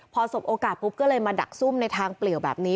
พอสบโอกาสปุ๊บก็เลยมาดักซุ่มในทางเปลี่ยวแบบนี้